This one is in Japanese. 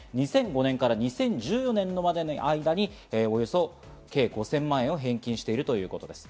２００５年から１４年までの間に計５０００万円を返金しているということです。